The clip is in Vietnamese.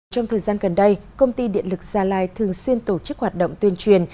trong thời gian gần đây công ty điện lực gia lai thường xuyên tổ chức hoạt động tuyên truyền